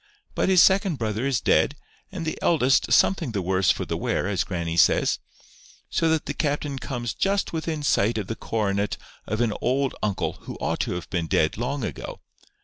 But his second brother is dead, and the eldest something the worse for the wear, as grannie says; so that the captain comes just within sight of the coronet of an old uncle who ought to have been dead long ago.